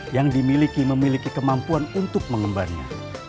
yang dimiliki memiliki kemampuan untuk mengembannya